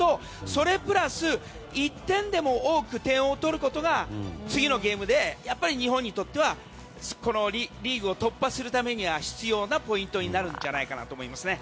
それプラス、１点でも多く点を取ることが次のゲームで日本にとってはリーグを突破するためには必要なポイントになるんじゃないかなと思いますね。